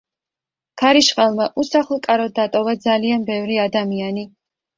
ქარიშხალმა უსახლკაროდ დატოვა ძალიან ბევრი ადამიანი.